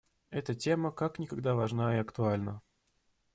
Эта тема как никогда важна и актуальна.